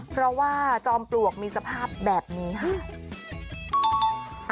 เพราะว่าจอมปลวกมีสภาพแบบนี้ค่ะ